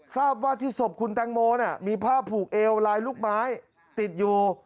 ทราบว่าที่ศพคุณแตงโมมีผ้าผูกเอวลายลูกไม้ติดอยู่